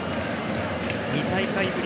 ２大会ぶり